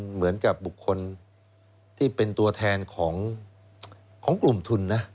เหมือนกับบุคคลที่เป็นตัวแทนของกลุ่มทุนนะ